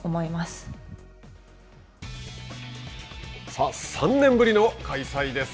さあ３年ぶりの開催です。